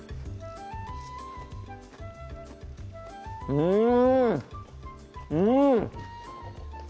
うんうん！